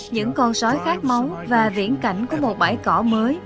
những con sói khát máu và viễn cảnh của một bãi cỏ mới